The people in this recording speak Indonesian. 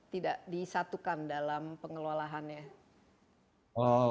tidak disatukan dalam pengelolaannya